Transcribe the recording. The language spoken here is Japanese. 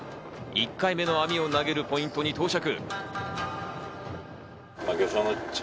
１回目の網を投げるポイントに到着。